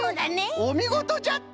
おみごとじゃった！